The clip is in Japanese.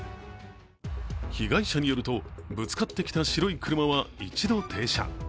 被害者によると、ぶつかってきた白い車は一度停車。